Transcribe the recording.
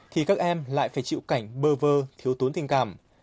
thì các em lại phải chịu cảnh bơ vơ thiếu tình cảm